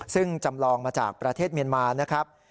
ซึ่งจำลองมาจากประเทศเมียนมานะครับ